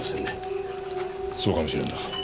そうかもしれんな。